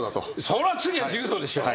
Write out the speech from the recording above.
そら次は柔道でしょ！